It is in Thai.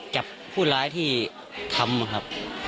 จับผู้ร้ายที่ทำครับ